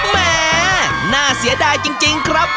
แหมน่าเสียดายจริงครับ